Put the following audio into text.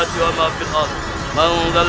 tapi ayah anda